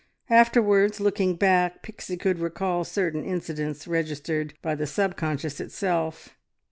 Afterwards, looking back, Pixie could recall certain incidents registered by the sub conscious self.